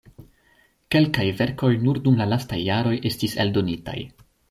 Kelkaj verkoj nur dum la lastaj jaroj estis eldonitaj.